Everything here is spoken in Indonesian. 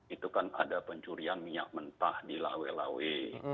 itu kan ada pencurian minyak mentah di lawe lawe